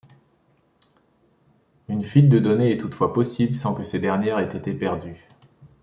Une fuite de données est toutefois possible sans que ces dernières aient été perdues.